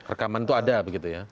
rekaman itu ada begitu ya